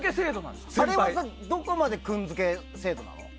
あれはどこまで君付け制度なの？